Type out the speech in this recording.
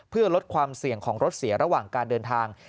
เพื่อลดความเสี่ยงของรถเสียระหว่างการเดินทาง